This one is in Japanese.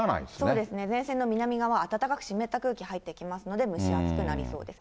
そうですね、前線の南側、暖かく湿った空気入ってきますので、蒸し暑くなりそうです。